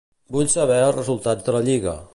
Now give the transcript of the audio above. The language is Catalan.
Vull saber els resultats de la Lliga.